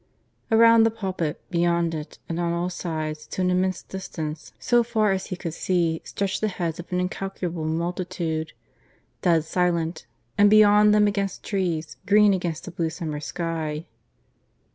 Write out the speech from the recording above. Around the pulpit, beyond it, and on all sides to an immense distance, so far as he could see, stretched the heads of an incalculable multitude, dead silent, and beyond them again trees, green against a blue summer sky.